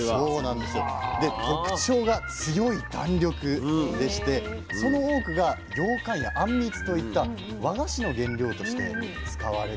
で特徴が強い弾力でしてその多くがようかんやあんみつといった和菓子の原料として使われているんです。